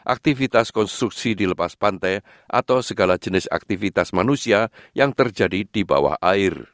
aktivitas konstruksi di lepas pantai atau segala jenis aktivitas manusia yang terjadi di bawah air